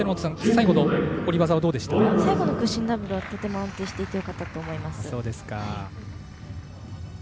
最後の屈身はとても安定していてよかったと思います。